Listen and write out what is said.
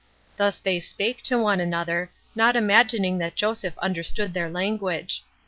Thus they spake to one another, not imagining that Joseph understood their language.